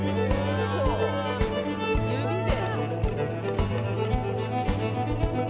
指で。